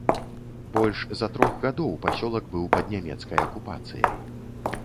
Больш за трох гадоў пасёлак быў пад нямецкай акупацыяй.